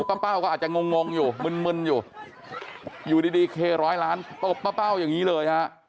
ป้าเป้าก็อาจจะงงอยู่มึนอยู่อยู่ดีเคร้อยล้านตบป้าเป้าอย่างนี้เลยฮะ